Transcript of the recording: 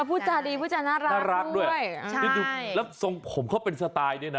พูดจาดีผู้จาน่ารักด้วยนี่ดูแล้วทรงผมเขาเป็นสไตล์ด้วยนะ